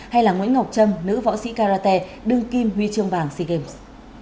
hay là nguyễn ngọc trâm nữ võ sĩ karate đương kim huy trương vàng sea games